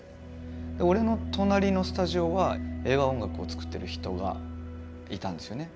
で俺の隣のスタジオは映画音楽を作ってる人がいたんですよね。